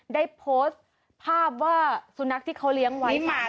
ได้โพสต์ภาพว่าสุนัขที่เขาเลี้ยงไว้ค่ะ